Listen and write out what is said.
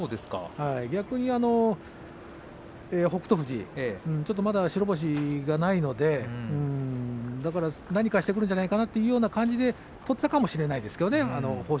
逆に北勝富士ちょっとまだ白星がないので何かしてくるんじゃないかという形で取ったかもしれませんね。